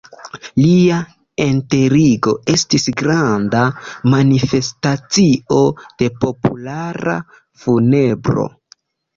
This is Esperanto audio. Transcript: Lia enterigo estis granda manifestacio de populara funebro.